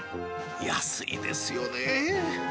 安いですよね。